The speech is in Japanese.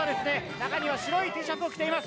中には白いＴシャツを着ています。